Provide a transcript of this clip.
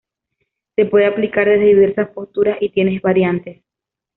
Se puede aplicar desde diversas posturas y tiene variantes.